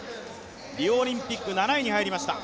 リオオリンピック７位に入りました